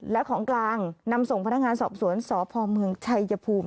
และของกลางนำส่งพนักงานสอบสวนสพเมืองชัยภูมิ